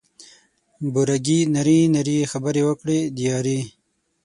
بوره ګي نري نري خبري وکړه د یاري